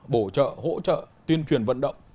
bổ trợ hỗ trợ tuyên truyền vận động